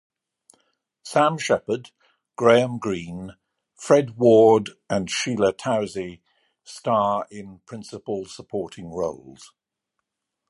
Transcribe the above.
Sam Shepard, Graham Greene, Fred Ward and Sheila Tousey star in principal supporting roles.